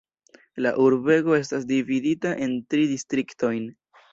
La urbego estas dividita en tri distriktojn.